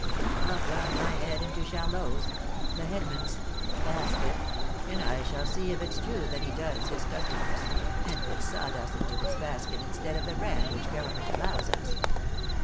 I'll drop my head into Charlot's (the headsman's) basket, and I shall see if it's true that he does his customers, and puts sawdust into his basket instead of the bran which government allows us."